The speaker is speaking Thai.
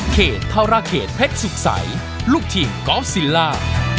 ธรเขตเพชรสุขใสลูกทีมกอล์ฟซิลล่า